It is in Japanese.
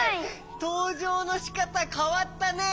とうじょうのしかたかわったね。